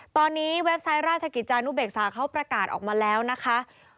ตอนนี้เว็บไซต์ราชกิจจานุเบกษาเขาประกาศออกมาแล้วนะคะ